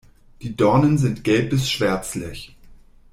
Die Dornen sind gelb bis schwärzlich.